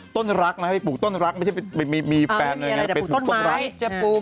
ปลูกต้นลักษณ์นะครับปลูกต้นลักษณ์ไม่ใช่เป็นมีแฟนเป็นปลูกต้นลักษณ์